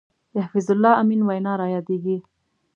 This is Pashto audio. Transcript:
د حفیظ الله امین وینا را یادېږي.